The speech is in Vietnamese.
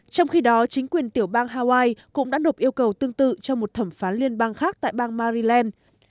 trong khi đó chính quyền tiểu bang hawaii cũng đã nộp yêu cầu tương tự cho một thẩm phán liên bang khác tại bang maryland